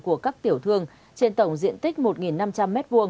của các tiểu thương trên tổng diện tích một năm trăm linh m hai